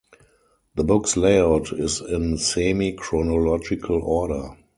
The book's layout is in semi-chronological order.